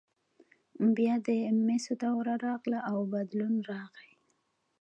بیا د مسو دوره راغله او بدلون راغی.